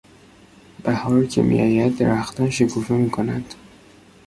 بهار که میآید درختان شکوفه میکنند.